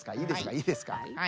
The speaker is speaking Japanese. いいですか？